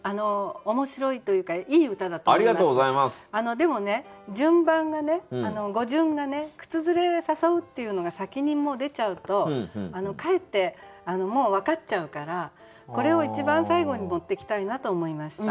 でも順番が語順が「靴ずれ誘う」っていうのが先に出ちゃうとかえってもう分かっちゃうからこれを一番最後に持ってきたいなと思いました。